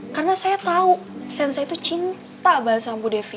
karena saya tahu sensei tuh cinta bahasa mbu devi